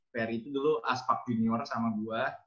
ferry itu dulu as park junior sama gue